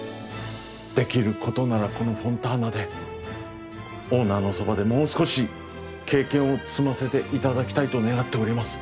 できることならこのフォンターナでオーナーのそばでもう少し経験を積ませていただきたいと願っております。